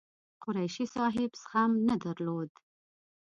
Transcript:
قریشي صاحب زغم نه درلود.